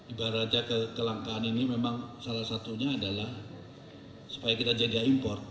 ibaratnya kelangkaan ini memang salah satunya adalah supaya kita jadi import